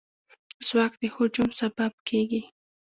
ځواک د هجوم سبب کېږي.